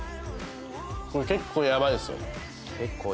これ結構ヤバいですよ。